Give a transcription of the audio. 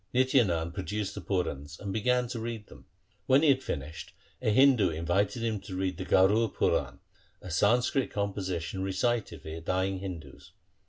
Nitya Nand produced the Purans and began to read them. When he had finished, a Hindu invited him to read the Garur Puran, a Sanskrit composition recited for dying Hindus.